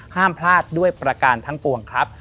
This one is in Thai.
ห้ามพลาดด้วยประการทั้งปวงครับ